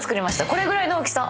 これぐらいの大きさ。